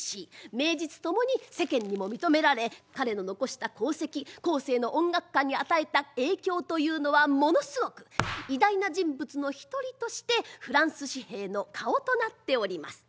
名実共に世間にも認められ彼の残した功績後世の音楽家に与えた影響というのはものすごく偉大な人物の一人としてフランス紙幣の顔となっております。